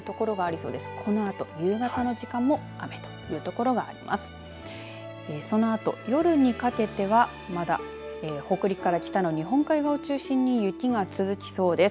そのあと夜にかけてはまだ北陸から北の日本海側を中心に雪が続きそうです。